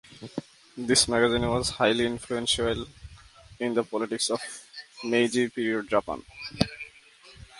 This magazine was highly influential in the politics of Meiji period Japan.